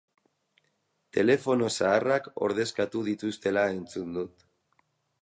Telefono zaharrak ordezkatu dituztela entzun dut.